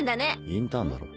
インターンだろ。